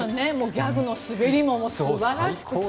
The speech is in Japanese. ギャグのスベりも素晴らしくて。